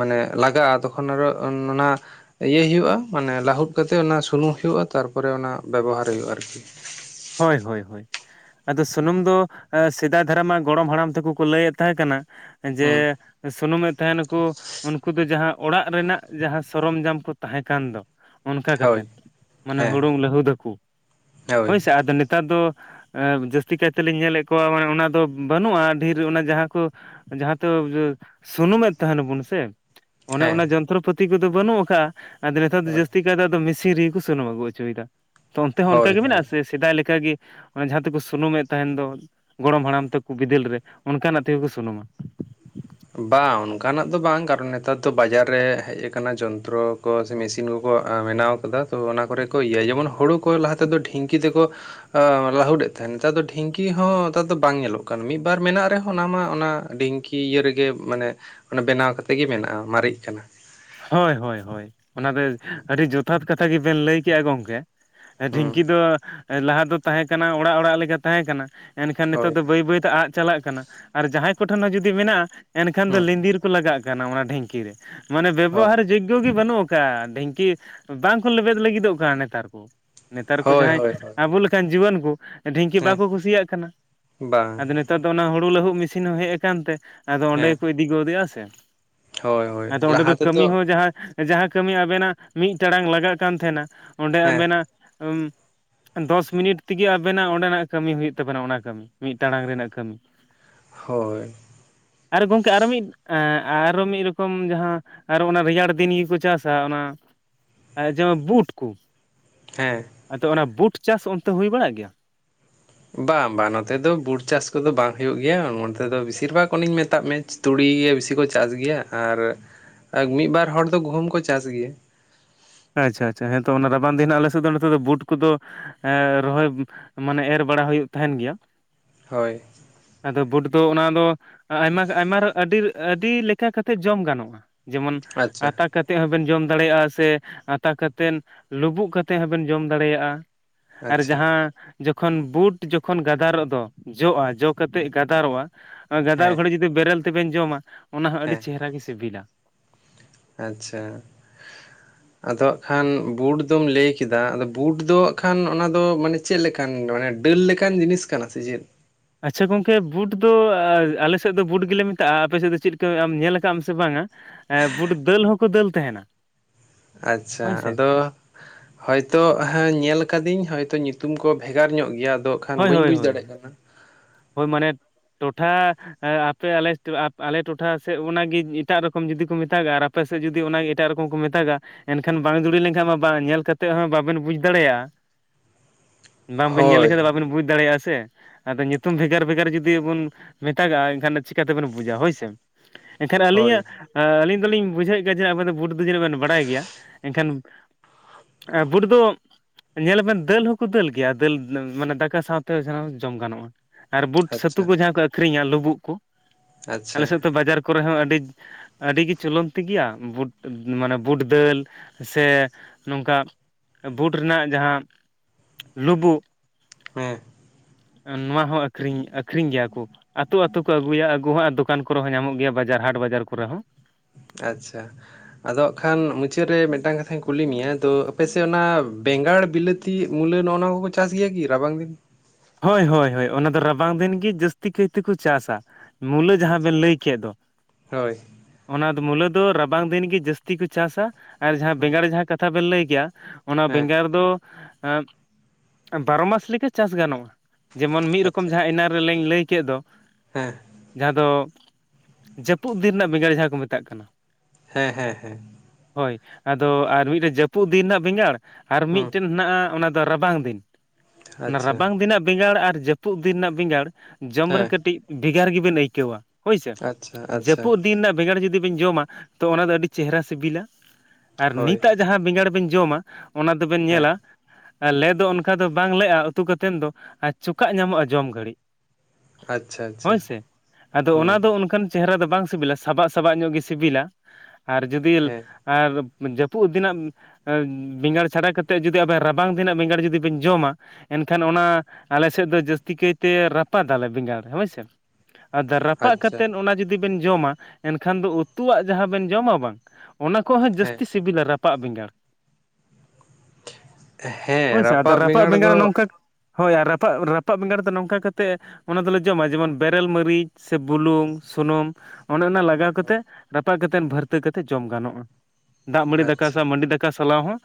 ᱢᱟᱱᱮ ᱞᱟᱜᱟᱜᱼᱟ ᱛᱚᱠᱷᱚᱱ ᱟᱨᱚ ᱚᱱᱟ ᱤᱭᱟᱹᱭ ᱦᱩᱭᱩᱜᱼᱟ ᱢᱟᱱᱮ ᱞᱟᱹᱦᱩᱫ ᱠᱟᱛᱮᱜ ᱚᱱᱟ ᱥᱩᱱᱩᱢ ᱦᱩᱭᱩᱜᱼᱟ ᱛᱟᱨᱯᱚᱨᱮ ᱚᱱᱟ ᱵᱮᱵᱚᱦᱟᱨ ᱦᱩᱭᱩᱜᱼᱟ ᱟᱨᱠᱤ ᱾ ᱦᱳᱭ ᱦᱳᱭ ᱦᱳᱭ ᱾ ᱟᱫᱚ ᱥᱩᱱᱩᱢ ᱫᱚ ᱥᱮᱫᱟᱭ ᱫᱷᱟᱨᱟ ᱢᱟ ᱜᱚᱲᱚᱢ ᱦᱟᱲᱟᱢ ᱛᱟᱠᱚ ᱠᱚ ᱞᱟᱹᱭᱮᱫ ᱛᱟᱦᱮᱸ ᱠᱟᱱᱟ ᱡᱮ ᱦᱩᱸ ᱥᱩᱱᱩᱢᱮᱫ ᱛᱟᱦᱮᱸᱱᱟᱠᱚ ᱩᱱᱠᱩ ᱫᱚ ᱡᱟᱦᱟᱸ ᱚᱲᱟᱜ ᱨᱮᱱᱟᱜ ᱡᱟᱦᱟᱸ ᱥᱚᱨᱚᱢᱡᱟᱢ ᱠᱚ ᱛᱟᱦᱮᱸ ᱠᱟᱱ ᱫᱚ ᱾ ᱚᱱᱠᱟ ᱦᱳᱭ ᱠᱟᱛᱮᱱᱫ, ᱢᱟᱱᱮ ᱦᱮᱸ ᱦᱩᱲᱩᱝ ᱞᱟᱹᱦᱩᱫ ᱫᱟᱹᱠᱩ ᱾ ᱦᱳᱭ ᱦᱳᱭᱥᱮ, ᱟᱫᱚ ᱱᱮᱛᱟᱨ ᱫᱚ ᱡᱟᱹᱥᱛᱤ ᱠᱟᱭ ᱛᱮ ᱞᱤᱧ ᱧᱮᱞᱮᱫ ᱠᱚᱣᱟ ᱢᱟᱱᱮ ᱚᱱᱟ ᱫᱚ ᱵᱟᱹᱱᱩᱜᱼᱟ ᱰᱷᱤᱨ ᱚᱱᱟ ᱡᱟᱦᱟᱸ ᱠᱩ ᱡᱟᱦᱟᱸ ᱛᱚ ᱥᱩᱱᱩᱢᱮᱫ ᱛᱟᱦᱮᱸ ᱱᱟᱵᱚᱱ ᱥᱮ ᱾ ᱚᱱᱮ ᱦᱮᱸ ᱚᱱᱟ ᱡᱚᱱᱛᱨᱚᱯᱟᱹᱛᱤ ᱠᱚᱫᱚ ᱵᱟᱹᱱᱩᱜ ᱟᱠᱟᱜᱼᱟ ᱟᱫᱚ ᱱᱮᱛᱟᱨ ᱫᱚ ᱦᱳᱭ ᱡᱟᱹᱥᱛᱤ ᱛᱮ ᱫᱚ ᱟᱫᱚ ᱢᱤᱥᱤᱱ ᱨᱤᱜᱤ ᱠᱩ ᱥᱩᱱᱩᱢ ᱟᱹᱜᱩᱜ ᱦᱚᱪᱚᱭ ᱫᱟ, ᱛᱚ ᱚᱱᱛᱮ ᱦᱚᱸ ᱚᱱᱠᱟ ᱦᱳᱭ ᱜᱮ ᱦᱳᱭ ᱢᱮᱱᱟᱜᱼᱟᱥ ᱥᱤᱫᱟᱭ ᱞᱤᱠᱟᱜᱤ ᱚᱱᱮ ᱡᱟᱦᱟᱸ ᱛᱮᱠᱚ ᱥᱩᱱᱩᱢᱮᱫ ᱛᱟᱦᱮᱸᱱ ᱫᱚ ᱾ ᱜᱚᱲᱚᱢ ᱦᱟᱲᱟᱢ ᱛᱟᱠᱚ ᱵᱤᱫᱟᱹᱞ ᱨᱮ ᱚᱱᱠᱟᱱᱟᱜ ᱛᱮᱜᱮ ᱠᱚ ᱥᱩᱱᱩᱢᱟ ᱾ ᱵᱟᱝ ᱚᱱᱠᱟᱱᱟᱜ ᱫᱚ ᱵᱟᱝ ᱠᱟᱨᱚᱱ ᱱᱮᱛᱟᱨ ᱫᱚ ᱵᱟᱡᱟᱨ ᱨᱮ ᱦᱮᱡ ᱟᱠᱟᱱᱟ ᱡᱚᱱᱛᱨᱚ ᱠᱚ ᱾ ᱢᱮᱥᱤᱱ ᱠᱚᱠᱚ ᱵᱮᱱᱟᱣ ᱠᱟᱫᱟ ᱛᱚ ᱚᱱᱟ ᱠᱚᱨᱮ ᱠᱚ ᱤᱭᱟᱹᱭ ᱡᱮᱢᱚᱱ ᱦᱳᱲᱳ ᱠᱚ ᱞᱟᱦᱟ ᱛᱮᱫᱚ ᱰᱷᱤᱝᱠᱤ ᱛᱮᱠᱚ ᱟ ᱞᱟᱹᱦᱩᱰᱮᱫ ᱛᱟᱦᱮᱸᱱ ᱱᱮᱛᱟᱨ ᱫᱚ ᱰᱷᱤᱝᱠᱤ ᱦᱚᱸ ᱱᱮᱛᱟᱨ ᱫᱚ ᱵᱟᱝ ᱧᱮᱞᱚᱜ ᱠᱟᱱ ᱢᱤᱫᱵᱟᱨ ᱢᱮᱱᱟᱜ ᱨᱮᱦᱚᱸ ᱚᱱᱟ ᱢᱟ ᱚᱱᱟ ᱰᱷᱤᱝ ᱠᱤ ᱤᱭᱟᱹ ᱨᱮᱜᱮ ᱢᱟᱱᱮ ᱚᱱᱟ ᱵᱮᱱᱟᱣ ᱠᱟᱛᱮᱜ ᱜᱮ ᱢᱮᱱᱟᱜᱼᱟ ᱢᱟᱨᱤᱜ ᱠᱟᱱᱟ ᱾ ᱦᱳᱭ ᱦᱳᱭ ᱦᱳᱭ, ᱚᱱᱟ ᱵᱮᱥ ᱟᱹᱰᱤ ᱡᱚᱛᱷᱟᱛ ᱠᱟᱛᱷᱟ ᱜᱮᱵᱮᱱ ᱞᱟᱹᱭ ᱠᱮᱜᱼᱟ ᱜᱚᱝᱠᱮ ᱾ ᱦᱮᱸ ᱦᱩᱸ ᱰᱷᱤᱝᱠᱤ ᱫᱚ ᱞᱟᱦᱟ ᱫᱚ ᱛᱟᱦᱮᱸ ᱠᱟᱱᱟ ᱚᱲᱟᱜ ᱚᱲᱟᱜ ᱞᱮᱠᱟ ᱛᱟᱦᱮᱸ ᱠᱟᱱᱟ ᱮᱱᱠᱷᱟᱱ ᱦᱳᱭ ᱱᱤᱛᱚᱜ ᱫᱚ ᱵᱟᱹᱭ ᱵᱟᱹᱭ ᱛᱮ ᱟᱫ ᱪᱟᱞᱟᱜ ᱠᱟᱱᱟ ᱟᱨ ᱡᱟᱦᱟᱸᱭ ᱠᱚᱴᱷᱮᱱ ᱦᱚᱸ ᱡᱩᱫᱤ ᱢᱮᱱᱟᱜᱼᱟ ᱮᱱᱠᱷᱟᱱ ᱫᱚ ᱦᱩᱸ ᱞᱤᱸᱫᱤᱨ ᱠᱚ ᱞᱟᱜᱟᱜ ᱠᱟᱱᱟ ᱚᱱᱟ ᱰᱷᱤᱝᱠᱤ ᱨᱮ ᱾ ᱢᱟᱱᱮ ᱦᱳᱭ ᱵᱮᱵᱚᱦᱟᱨ ᱡᱳᱜᱜᱳ ᱜᱮ ᱵᱟᱹᱱᱩᱜ ᱟᱠᱟᱜᱼᱟ ᱰᱷᱤᱝᱠᱤ ᱵᱟᱝ ᱠᱚ ᱞᱮᱵᱮᱫ ᱞᱟᱹᱜᱤᱫᱚᱜ ᱠᱟᱱ ᱱᱮᱛᱟᱨ ᱠᱚ ᱾ ᱱᱮᱛᱟᱨ ᱠᱚ ᱦᱳᱭ ᱡᱟᱦᱟᱸᱭ ᱦᱳᱭ ᱦᱳᱭ ᱟᱵᱚ ᱞᱮᱠᱟᱱ ᱡᱤᱭᱟᱹᱱ ᱠᱚ ᱰᱷᱤᱝᱠᱤ ᱦᱮᱸ ᱵᱟᱠᱚ ᱠᱩᱥᱤᱭᱟᱜ ᱠᱟᱱᱟ ᱵᱟᱝ ᱾ ᱟᱫᱚ ᱱᱮᱛ ᱱᱮᱛᱟᱨ ᱫᱚ ᱚᱱᱟ ᱦᱩᱲᱩ ᱞᱟᱹᱦᱩᱜ ᱢᱤᱥᱤᱱ ᱦᱚᱸ ᱦᱮᱡ ᱟᱠᱟᱱ ᱛᱮ ᱟᱫᱚ ᱚᱸᱰᱮ ᱦᱮᱸ ᱜᱮ ᱠᱚ ᱤᱫᱤ ᱜᱚᱫᱮᱜᱼᱟ ᱥᱮ ᱾ ᱦᱳᱭ ᱦᱳᱭ ᱟᱫᱚ ᱚᱸᱰᱮ ᱞᱟᱦᱟ ᱫᱚ ᱛᱮᱫᱚ ᱠᱟᱹᱢᱤ ᱦᱚᱸ ᱡᱟᱦᱟᱸ ᱡᱟᱦᱟᱸ ᱠᱟᱹᱢᱤ ᱟᱵᱮᱱᱟᱜ ᱢᱤᱫ ᱴᱟᱲᱟᱝ ᱞᱟᱜᱟᱜ ᱠᱟᱱ ᱛᱟᱦᱮᱸᱱᱟ ᱚᱸᱰᱮ ᱦᱮᱸ ᱟᱵᱮᱱᱟᱜ ᱫᱚᱥ ᱢᱤᱱᱤᱴ ᱛᱤᱜᱤ ᱟᱵᱮᱱᱟᱜ ᱚᱸᱰᱮᱱᱟᱜ ᱠᱟᱹᱢᱤ ᱦᱩᱭᱩᱜ ᱛᱟᱵᱮᱱᱟ ᱚᱱᱟ ᱠᱟᱹᱢᱤ ᱢᱤᱫ ᱴᱟᱲᱟᱝ ᱨᱮᱱᱟᱜ ᱠᱟᱹᱢᱤ ᱾ ᱦᱳᱭ ᱾ ᱟᱨ ᱜᱚᱝᱠᱮ ᱟᱨᱚ ᱢᱤᱫ ᱟᱨᱚ ᱢᱤᱫ ᱨᱚᱠᱚᱢ ᱡᱟᱦᱟᱸ ᱟᱨ ᱚᱱᱟ ᱨᱮᱭᱟᱲ ᱫᱤᱱ ᱜᱤᱠᱚ ᱪᱟᱥᱟ ᱚᱱᱟ ᱟᱭ ᱡᱮᱢᱚᱱ ᱵᱩᱴ ᱠᱩ ᱾ ᱦᱮᱸ᱾ ᱟᱫᱚ ᱚᱱᱟ ᱵᱩᱴ ᱪᱟᱥ ᱚᱱᱛᱮ ᱦᱩᱭ ᱵᱟᱲᱟᱜ ᱜᱮᱭᱟ? ᱵᱟᱝ ᱵᱟᱝ ᱱᱚᱛᱮ ᱫᱚ ᱵᱩᱲ ᱪᱟᱥ ᱠᱚᱫᱚ ᱵᱟᱝ ᱦᱩᱭᱩᱜ ᱜᱮᱭᱟ ᱱᱚᱱᱛᱮ ᱫᱚ ᱵᱤᱥᱤᱨ ᱵᱷᱟᱜ ᱚᱱᱮᱧ ᱢᱮᱛᱟᱜ ᱢᱮᱪ ᱛᱩᱲᱤ ᱜᱮ ᱵᱤᱥᱤ ᱠᱚ ᱪᱟᱥ ᱜᱮᱭᱟ ᱟᱨ ᱢᱤᱫ ᱵᱟᱨ ᱦᱚᱲ ᱫᱚ ᱜᱩᱦᱩᱢ ᱠᱚ ᱪᱟᱥ ᱜᱮᱭᱟ᱾ ᱟᱪᱪᱷᱟ ᱟᱪᱪᱷᱟ ᱦᱮᱸ ᱛᱚ ᱚᱱᱟ ᱨᱟᱵᱟᱝ ᱫᱤᱱ ᱦᱟᱸᱜ ᱟᱞᱮ ᱥᱮᱫ ᱫᱚ ᱱᱚᱛᱮ ᱫᱚ ᱵᱩᱴ ᱠᱚᱫᱚ ᱮᱸ ᱨᱚᱦᱚᱭ ᱢᱟᱱᱮ ᱮᱨ ᱵᱟᱲᱟ ᱦᱩᱭᱩᱜ ᱛᱟᱦᱮᱸᱱ ᱜᱮᱭᱟ᱾ ᱦᱳᱭ᱾ ᱟᱫᱚ ᱵᱩᱴ ᱫᱚ ᱚᱱᱟ ᱫᱚ ᱟᱭᱢᱟ ᱜᱟᱱ ᱟᱭᱢᱟ ᱟᱹᱰᱤ ᱟᱹᱰᱤ ᱞᱮᱠᱟ ᱠᱟᱛᱮᱫ ᱡᱚᱢ ᱜᱟᱱᱚᱜᱼᱟ᱾ ᱡᱮᱢᱚᱱ ᱟᱪᱪᱷᱟ ᱟᱛᱟ ᱠᱟᱛᱮᱜ ᱦᱚᱸᱵᱮᱱ ᱡᱚᱢ ᱫᱟᱲᱮᱭᱟᱜᱼᱟ ᱥᱮ ᱟᱛᱟ ᱠᱟᱛᱮᱱ ᱞᱩᱵᱩᱜ ᱠᱟᱛᱮᱜ ᱦᱚᱸᱵᱮᱱ ᱡᱚᱢ ᱫᱟᱲᱮᱭᱟᱜᱼᱟ ᱟᱨ ᱟᱪᱪᱷᱟ ᱡᱟᱦᱟᱸ ᱡᱚᱠᱷᱚᱱ ᱵᱩᱴ ᱡᱚᱠᱷᱚᱱ ᱜᱟᱫᱟᱨᱚᱜ ᱫᱚ ᱡᱚᱜᱼᱟ ᱡᱚ ᱠᱟᱛᱮᱜ ᱜᱟᱫᱟᱨᱚᱜᱼᱟ ᱜᱟᱫᱟᱨ ᱦᱮᱸ ᱜᱷᱟᱹᱲᱤᱡ ᱡᱩᱫᱤ ᱵᱮᱨᱮᱞ ᱛᱮᱵᱮᱱ ᱡᱚᱢᱟ ᱚᱱᱟ ᱦᱚᱸ ᱟᱹᱰᱤ ᱦᱮᱸ ᱪᱮᱦᱨᱟ ᱜᱮ ᱥᱤᱵᱤᱞᱟ᱾ ᱟᱪᱪᱷᱟ [inaudible] ᱟᱫᱚ ᱦᱟᱸᱜ ᱠᱷᱟᱱ ᱵᱩᱴ ᱫᱚᱢ ᱞᱟᱹᱭ ᱠᱮᱫᱟ ᱟᱫᱚ ᱵᱩᱴ ᱫᱚ ᱦᱟᱸᱜ ᱠᱷᱟᱱ ᱚᱱᱟ ᱫᱚ ᱢᱟᱱᱮ- ᱪᱮᱫ ᱞᱮᱠᱟᱱ ᱢᱟᱱᱮ ᱰᱟᱹᱞ ᱞᱮᱠᱟᱱ ᱡᱤᱱᱤᱥ ᱠᱟᱱᱟ ᱥᱮ ᱪᱮᱫ? ᱟᱪᱪᱷᱟ ᱜᱚᱝᱠᱮ ᱵᱷᱩᱴ ᱫᱚ ᱟ ᱟᱞᱮ ᱥᱮᱫ ᱫᱚ ᱵᱷᱩᱴ ᱜᱮᱞᱮ ᱢᱮᱛᱟᱜᱼᱟ ᱟᱯᱮ ᱥᱮᱫ ᱫᱚ ᱪᱮᱫ ᱠᱚ ᱟᱢ ᱧᱮᱞ ᱠᱟᱜᱼᱟᱢ ᱥᱮ ᱵᱟᱝᱟ? ᱮᱸ ᱵᱩᱴ ᱫᱟᱹᱞ ᱦᱚᱸᱠᱚ ᱫᱟᱹᱞ ᱛᱟᱦᱮᱱᱟ᱾ ᱟᱪᱪᱷᱟ ᱦᱳᱭ ᱥᱮ ᱟᱫᱚ ᱦᱚᱭᱛᱚ ᱦᱮᱸ ᱧᱮᱞ ᱠᱟᱫᱤᱧ ᱦᱚᱭᱛᱚ ᱧᱩᱛᱩᱢ ᱠᱚ ᱵᱷᱮᱜᱟᱨ ᱧᱚᱜ ᱜᱮᱭᱟ ᱟᱫᱚ ᱠᱷᱟᱱ ᱦᱳᱭ ᱵᱟᱹᱧ ᱦᱳᱭ ᱵᱩᱡᱽ ᱦᱳᱭ ᱫᱟᱲᱮᱭᱟᱜ ᱠᱟᱱᱟ ᱦᱳᱭ ᱢᱟᱱᱮ ᱴᱚᱴᱷᱟ ᱟᱯᱮ ᱟᱞᱮ ᱟ ᱟᱞᱮ ᱴᱚᱴᱷᱟ ᱥᱮᱜ ᱚᱱᱟᱜᱤ ᱮᱴᱟᱜ ᱨᱚᱠᱚᱢ ᱡᱩᱫᱤ ᱠᱚ ᱢᱮᱛᱟᱜ ᱟᱯᱮ ᱥᱮᱜ ᱡᱩᱫᱤ ᱚᱱᱟ ᱜᱤ ᱮᱴᱟᱜ ᱨᱚᱠᱚᱢ ᱠᱚ ᱢᱮᱛᱟᱜᱼᱟ᱾ ᱮᱱᱠᱷᱟᱱ ᱵᱟᱝ ᱫᱩᱲᱤ ᱞᱮᱱᱠᱷᱟᱱ ᱢᱟ ᱧᱮᱞ ᱠᱟᱛᱮ ᱦᱚᱸ ᱵᱟᱵᱮᱱ ᱵᱩᱡᱽ ᱫᱟᱲᱮᱭᱟᱜᱼᱟ᱾ ᱵᱟᱝᱵᱮᱱ ᱧᱮᱞ ᱦᱳᱭ ᱞᱮᱠᱷᱟᱱ ᱫᱚ ᱵᱟᱵᱮᱱ ᱵᱩᱡᱽ ᱫᱟᱲᱮᱭᱟᱜᱼᱟ ᱥᱮ᱾ ᱟᱫᱚ ᱧᱩᱛᱩᱢ ᱵᱷᱮᱜᱟᱨ ᱵᱷᱮᱜᱟᱨ ᱡᱩᱫᱤ ᱵᱚᱱ ᱢᱮᱛᱟᱜᱟᱜᱼᱟ ᱮᱱᱠᱷᱟᱱ ᱪᱤᱠᱟᱛᱮᱵᱚᱱ ᱵᱩᱡᱟ ᱦᱳᱭᱥᱮ᱾ ᱮᱱᱠᱷᱟᱱ ᱦᱳᱭ ᱟᱹᱞᱤᱧᱟᱜ ᱟ ᱟᱹᱞᱤᱧ ᱫᱚᱞᱤᱧ ᱵᱩᱡᱷᱟᱹᱣᱮᱜ ᱜᱮᱭᱟ ᱡᱮ ᱟᱵᱚ ᱫᱚ ᱵᱷᱩᱴ ᱡᱟᱹᱱᱤ ᱵᱮᱱ ᱵᱟᱲᱟᱭ ᱜᱮᱭᱟ ᱮᱱᱠᱷᱟᱱ ᱮᱸ ᱵᱩᱴ ᱫᱚ ᱧᱮᱞᱟ ᱵᱮᱱ ᱫᱟᱹᱞ ᱦᱚᱸᱠᱚ ᱫᱟᱹᱞ ᱜᱮᱭᱟ ᱫᱟᱹᱞ ᱢᱟᱱᱮ ᱫᱟᱠ ᱠᱟ ᱥᱟᱶᱛᱮ ᱥᱟᱱᱟᱢ ᱡᱚᱢ ᱜᱟᱱᱚᱜᱼᱟ ᱟᱨ ᱵᱩᱴ ᱥᱟᱹᱛᱩ ᱟᱪᱪᱷᱟ ᱠᱚ ᱡᱟᱦᱟᱸ ᱠᱚ ᱟᱠᱠᱷᱨᱤᱧᱟ ᱞᱩᱵᱩᱜ ᱠᱚ ᱟᱪᱪᱷᱟ ᱟᱞᱮ ᱥᱮᱜ ᱫᱚ ᱵᱟᱡᱟᱨ ᱠᱚᱨᱮ ᱦᱚᱸ ᱟᱹᱰᱤ ᱟᱹᱰᱤᱜᱮ ᱪᱚᱞᱚᱱᱛᱤ ᱜᱮᱭᱟ ᱵᱩᱴ ᱢᱟᱱᱮ ᱵᱩᱴ ᱫᱟᱹᱞ᱾ ᱥᱮ ᱱᱚᱝᱠᱟ ᱵᱩᱴ ᱨᱮᱱᱟᱜ ᱡᱟᱦᱟᱸ ᱞᱩᱵᱩᱜ᱾ ᱦᱮᱸ ᱮᱸ ᱱᱚᱣᱟ ᱦᱚᱸ ᱟᱠᱷᱨᱤᱧ ᱟᱠᱷᱨᱤᱧ ᱜᱮᱭᱟ ᱠᱚ ᱟᱹᱛᱩ ᱟᱛᱩ ᱠᱚ ᱟᱹᱜᱩᱭᱟ᱾ ᱠᱩ ᱦᱟᱸᱜ ᱫᱚᱠᱟᱱ ᱠᱚᱨᱮ ᱦᱚᱸ ᱧᱟᱢᱚᱜ ᱜᱮᱭᱟ ᱵᱟᱡᱟᱨ ᱦᱟᱴ ᱵᱟᱡᱟᱨ ᱠᱚᱨᱮ ᱦᱚᱸ᱾ ᱟᱪᱪᱷᱟ᱾ ᱟᱫᱚᱜ ᱠᱷᱟᱱ ᱢᱩᱪᱟᱹᱫ ᱨᱮ ᱢᱤᱫᱴᱟᱝ ᱠᱟᱛᱷᱟᱧ ᱠᱩᱞᱤ ᱢᱮᱭᱟ ᱛᱚ ᱟᱯᱮᱥᱮᱫ ᱚᱱᱟ ᱵᱮᱸᱜᱟᱲ ᱵᱤᱞᱟᱹᱛ ᱛᱤ ᱢᱩᱞᱟᱹ ᱱᱚᱜᱼᱚ ᱱᱚᱣᱟ ᱠᱚᱠᱚ ᱪᱟᱥ ᱜᱮᱭᱟ ᱠᱤ ᱨᱟᱵᱟᱝ ᱫᱤᱱ? ᱦᱳᱭ ᱦᱳᱭ ᱦᱳᱭ ᱚᱱᱟ ᱫᱚ ᱨᱟᱵᱟᱝ ᱫᱤᱱ ᱜᱮ ᱡᱟᱹᱥᱛᱤ ᱠᱟᱹᱭ ᱛᱮᱠᱚ ᱪᱟᱥᱟ᱾ ᱢᱩᱞᱟᱹ ᱡᱟᱦᱟᱸ ᱟᱪᱪᱷᱟ ᱵᱮᱱ ᱞᱟᱹᱭ ᱠᱮᱜ ᱫᱚ᱾ ᱦᱳᱭ ᱚᱱᱟ ᱢᱩᱞᱟᱹ ᱫᱚ ᱨᱟᱵᱟᱝ ᱫᱤᱱ ᱜᱮ ᱡᱟᱹᱥᱛᱤ ᱠᱚ ᱪᱟᱥᱟ, ᱟᱨ ᱡᱟᱦᱟᱸ ᱦᱩᱸ ᱵᱮᱸᱜᱟᱲ ᱡᱟᱦᱟᱸ ᱠᱟᱛᱷᱟ ᱵᱮᱱ ᱞᱟᱹᱭ ᱠᱮᱭᱟ ᱚᱱᱟ ᱦᱮᱸ ᱵᱮᱸᱜᱟᱲ ᱫᱚ ᱟᱸ ᱵᱟᱨᱚ ᱢᱟᱥ ᱞᱮᱠᱟ ᱪᱟᱥ ᱜᱟᱱᱚᱜᱼᱟ᱾ ᱡᱮᱢᱚᱱ ᱢᱤᱫ ᱨᱚᱠᱚᱢ ᱟᱪᱪᱷᱟ ᱡᱟᱦᱟᱸ ᱮᱱᱟᱱ ᱨᱮᱞᱤᱮᱧ ᱞᱟᱹᱭ ᱠᱮᱜ ᱫᱚ᱾ ᱦᱮᱸ ᱡᱟᱦᱟᱸ ᱫᱚ ᱡᱟᱹᱯᱩᱜ ᱫᱤᱱ ᱨᱮᱱᱟᱜ ᱵᱮᱸᱜᱟᱲ ᱡᱟᱦᱟᱸ ᱠᱚ ᱢᱮᱛᱟᱜ ᱠᱟᱱᱟ᱾ ᱦᱮᱸ ᱦᱮᱸ ᱦᱮᱸ ᱦᱳᱭ ᱟᱫᱚ ᱟᱨ ᱢᱤᱫᱴᱮᱱ ᱡᱟᱹᱯᱩᱜ ᱫᱤᱱ ᱨᱮᱱᱟᱜ ᱵᱮᱸᱜᱟᱲ ᱟᱨ ᱦᱩᱸ ᱢᱤᱫᱴᱮᱱ ᱦᱮᱱᱟᱜᱼᱟ ᱚᱱᱟ ᱫᱚ ᱨᱟᱵᱟᱝ ᱫᱤᱱ ᱚᱱᱟ ᱟᱪᱪᱷᱟ ᱨᱟᱵᱟᱝ ᱫᱱᱟᱜ ᱵᱮᱸᱜᱟᱲ ᱟᱨ ᱡᱟᱹᱯᱩᱜ ᱫᱤᱱ ᱨᱮᱱᱟᱜ ᱵᱮᱸᱜᱟᱲ ᱡᱚᱢ ᱨᱮ ᱦᱮᱸ ᱠᱟᱹᱴᱤᱡ ᱵᱷᱮᱜᱟᱨ ᱜᱮᱵᱤᱱ ᱟᱹᱭᱠᱟᱹᱣᱟ᱾ ᱦᱳᱭᱥᱮ ᱟᱪᱪᱷᱟ ᱟᱪᱪᱷᱟ ᱡᱟᱹᱯᱩᱜ ᱫᱤᱱ ᱨᱮᱱᱟᱜ ᱵᱮᱸᱜᱟᱲ ᱡᱩᱫᱤ ᱵᱮᱱ ᱡᱚᱢᱟ᱾ ᱛᱚ ᱚᱱᱟ ᱫᱚ ᱟᱹᱰᱤ ᱪᱮᱦᱨᱟ ᱥᱤᱵᱤᱞᱟ ᱟᱨ ᱦᱳᱭ ᱱᱤᱛᱟᱜ ᱡᱟᱦᱟᱸ ᱵᱮᱸᱜᱟᱲ ᱵᱮᱱ ᱡᱚᱢᱟ᱾ ᱚᱱᱟ ᱫᱚᱵᱮᱱ ᱦᱮᱸ ᱧᱮᱞᱟ ᱞᱮ ᱫᱚ ᱚᱱᱠᱟ ᱫᱚ ᱵᱟᱝ ᱞᱮᱜᱼᱟ ᱩᱛᱩ ᱠᱟᱛᱮᱫ ᱫᱚ᱾ ᱟᱨ ᱪᱚᱠᱟᱜ ᱧᱟᱢᱚᱜᱼᱟ ᱡᱚᱢ ᱜᱷᱟᱹᱲᱤᱡ ᱟᱪᱪᱷᱟ ᱟᱪᱪᱷᱟ ᱦᱳᱭ ᱥᱮ ᱟᱫᱚ ᱦᱩᱸ ᱚᱱᱟ ᱫᱚ ᱚᱱᱠᱟᱱ ᱪᱮᱦᱨᱟ ᱫᱚ ᱵᱟᱝ ᱥᱤᱵᱤᱞᱟ ᱥᱟᱵᱟᱜ ᱥᱟᱵᱟᱜ ᱧᱚᱜ ᱜᱮ ᱥᱤᱵᱤᱞᱟ ᱟᱨ ᱡᱩᱫᱤ ᱦᱮᱸ ᱟᱨ ᱡᱟᱹᱯᱩᱫ ᱫᱤᱱᱟᱜ ᱵᱮᱸᱜᱟᱲ ᱪᱷᱟᱰᱟ ᱠᱟ ᱠᱟᱛᱮᱫ ᱡᱩᱫᱤ ᱟᱵᱮᱱ ᱨᱟᱵᱟᱝ ᱫᱤᱹᱱᱟᱜ ᱵᱮᱸᱜᱟᱲ ᱡᱩᱫᱤ ᱵᱮᱱ ᱡᱚᱢᱟ ᱮᱱᱠᱷᱟᱱ ᱚᱱᱟ ᱟᱞᱮ ᱥᱮᱫ ᱫᱚ ᱡᱟᱹᱥᱛᱤ ᱠᱟᱭᱛᱮ ᱨᱟᱯᱟᱫᱟᱞᱮ ᱵᱮᱸᱜᱟᱲ ᱦᱳᱭᱥᱮ ᱟᱫᱚ ᱨᱟᱯᱟᱜ ᱟᱪᱪᱷᱟ ᱠᱟᱛᱮᱫ ᱚᱱᱟ ᱡᱩᱫᱤ ᱡᱩᱫᱤ ᱵᱮᱱ ᱡᱚᱢᱟ ᱮᱱᱠᱷᱟᱱ ᱫᱚ ᱩᱛᱩᱣᱟᱜ ᱡᱟᱦᱟᱸ ᱵᱮᱱ ᱡᱚᱢᱟ ᱵᱟᱝ ᱚᱱᱟ ᱠᱚᱦ ᱦᱚᱸ ᱦᱮᱸ ᱡᱟᱹᱥᱛᱤ ᱥᱤᱵᱤᱞᱟ ᱨᱟᱯᱟᱜ ᱵᱮᱸᱜᱟᱲ ᱾ ᱦᱳᱭᱥᱮ ᱟᱫᱚ ᱨᱟᱯᱟᱜ ᱵᱮᱸᱜᱟᱲ ᱱᱚᱝᱠᱟ ᱦᱳᱭ ᱟᱨ ᱨᱟᱯᱟᱜ ᱨᱟᱯᱟᱜ ᱵᱮᱸᱜᱟᱲ ᱫᱚ ᱱᱚᱝᱠᱟ ᱠᱟ ᱠᱟᱛᱮᱫ ᱚᱱᱟ ᱫᱚᱞᱮ ᱡᱚᱢᱟ ᱡᱮᱢᱚᱱ ᱵᱮᱨᱮᱞ ᱢᱟᱹᱨᱤᱪ, ᱥᱮ ᱵᱩᱞᱩᱝ, ᱥᱩᱱᱩᱢ, ᱚᱱᱮ ᱚᱱᱟ ᱞᱟᱜᱟᱣ ᱠᱟᱛᱮᱫ ᱨᱟᱯᱟᱜ ᱠᱟᱛᱮ ᱵᱷᱟᱹᱨᱛᱟᱹ ᱠᱟᱛᱮᱫ ᱡᱚᱢ ᱜᱟᱱᱚᱜᱼᱟ᱾ ᱫᱟᱜ ᱢᱟᱹᱲᱰᱤ ᱫᱟᱠᱟ ᱟᱪᱪᱷᱟ ᱥᱟᱶ ᱢᱟᱹᱰᱤ ᱫᱠᱟ ᱥᱟᱞᱟᱣ ᱦᱚᱸ